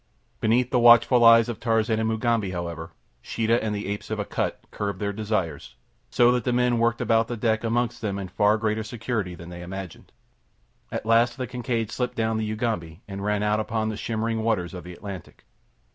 Beneath the watchful eyes of Tarzan and Mugambi, however, Sheeta and the apes of Akut curbed their desires, so that the men worked about the deck amongst them in far greater security than they imagined. At last the Kincaid slipped down the Ugambi and ran out upon the shimmering waters of the Atlantic.